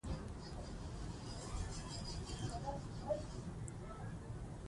د ولس ملاتړ د نظام د بقا تضمین دی